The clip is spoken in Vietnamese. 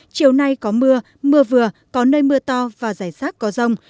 chiều nay có mưa mưa vừa có nơi mưa to và rải rác có rông